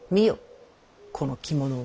この着物を。